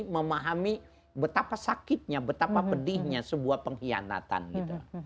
memahami betapa sakitnya betapa pedihnya sebuah pengkhianatan gitu